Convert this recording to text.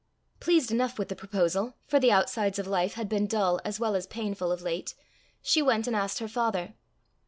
Pleased enough with the proposal, for the outsides of life had been dull as well as painful of late, she went and asked her father.